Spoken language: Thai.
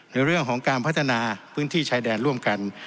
ในเรื่องของการพัฒนาพื้นที่ชายแดนร่วมกัน